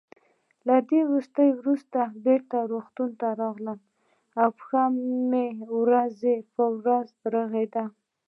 له دې وروسته بېرته روغتون ته راغلم او پښه مې ورځ په ورځ رغېده.